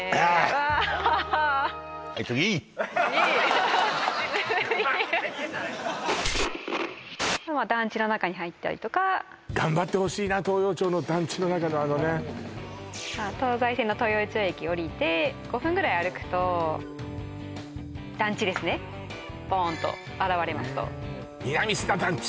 ああっ団地の中に入ったりとか頑張ってほしいな東陽町の団地の中のあのね東西線の東陽町駅降りて５分ぐらい歩くと団地ですねボーンと現れますと南砂団地！